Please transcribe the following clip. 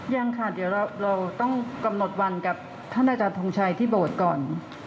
ยังค่ะเดี๋ยวเราต้องกำหนดวันกับท่านอาจารย์ทงชัยที่โบสถ์ก่อน